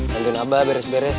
bantuin abah beres beres